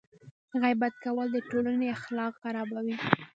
غیبت کول د ټولنې اخلاق خرابوي.